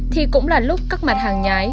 thì cũng là lúc các mặt hàng nhái